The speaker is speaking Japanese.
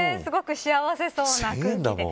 すごく幸せそうな空気で。